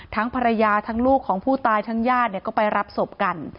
ทั้งภรรยาทั้งลูกของผู้ตายทั้งญาติก็ไปรับศพกัน